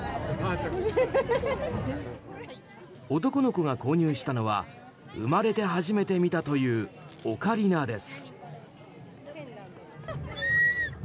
男の子が購入したのは生まれて初めて見たというオカリナです。